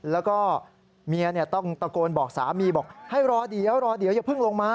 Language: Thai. แล้วก็เมียต้องตะโกนบอกสามีบอกให้รอเดี๋ยวรอเดี๋ยวอย่าเพิ่งลงมา